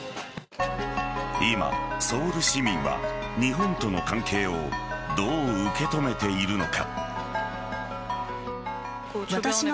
今、ソウル市民は日本との関係をどう受け止めているのか。